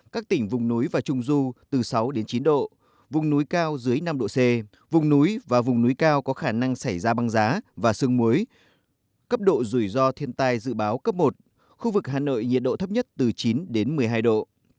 các tỉnh vùng núi và trung du từ sáu đến chín độ vùng núi cao dưới năm độ c vùng núi và vùng núi cao có khả năng xảy ra băng giá và sương muối cấp độ rủi ro thiên tai dự báo cấp một khu vực hà nội nhiệt độ thấp nhất từ chín một mươi hai độ